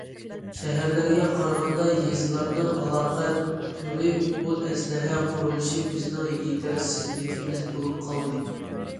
شەھەرلەرگە قارىغاندا، يېزىلارنىڭ ئالاقە تورى ئۇل ئەسلىھە قۇرۇلۇشى بىزنىڭ يېتەرسىزلىكىمىز بولۇپ قالدى.